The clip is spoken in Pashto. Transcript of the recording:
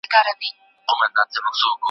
هغه به خامخا د سبا د ښه کېدو ژمنه وکړي.